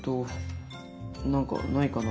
何かないかな？